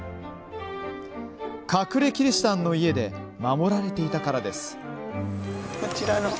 隠れキリシタンの家で守られていたからです。